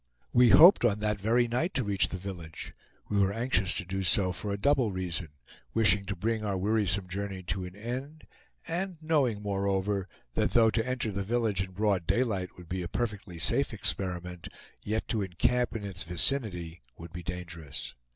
We hoped on that very night to reach the village. We were anxious to do so for a double reason, wishing to bring our wearisome journey to an end, and knowing, moreover, that though to enter the village in broad daylight would be a perfectly safe experiment, yet to encamp in its vicinity would be dangerous.